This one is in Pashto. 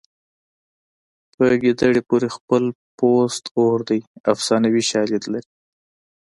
په ګیدړې پورې خپل پوست اور دی افسانوي شالید لري